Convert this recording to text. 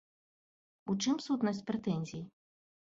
У чым сутнасць прэтэнзій?